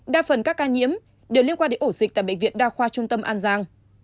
đa phần các ca nhiễm đều liên quan đến ổ dịch tại bệnh viện đa khoa trung tâm an giang